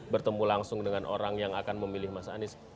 bertemu langsung dengan orang yang akan memilih mas anies